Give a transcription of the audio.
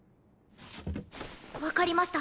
分かりました。